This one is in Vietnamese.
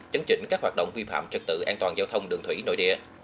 chấn chỉnh các hoạt động vi phạm trật tự an toàn giao thông đường thủy nội địa